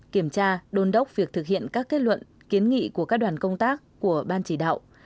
kiểm tra đôn đốc việc thực hiện các kết luận kiến nghị của các đoàn công tác của ban chỉ đạo